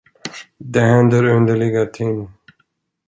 Det händer underliga ting.